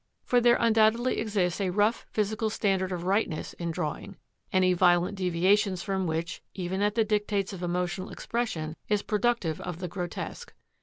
For there undoubtedly exists a rough physical standard of rightness in drawing, any violent deviations from which, even at the dictates of emotional expression, is productive of the grotesque.